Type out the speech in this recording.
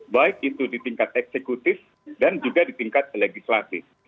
baik itu di tingkat eksekutif dan juga di tingkat legislatif